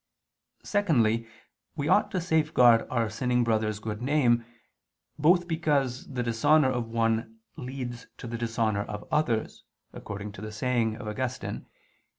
Secondly, we ought to safeguard our sinning brother's good name, both because the dishonor of one leads to the dishonor of others, according to the saying of Augustine (Ep.